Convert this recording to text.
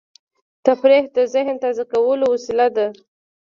تفریح د ذهن تازه کولو وسیله ده.